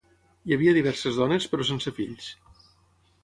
Hi havia diverses dones, però sense fills.